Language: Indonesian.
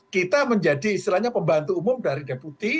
kita menjadi istilahnya pembantu umum dari deputi